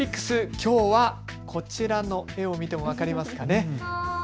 きょうはこちらの絵を見て分かりますかね。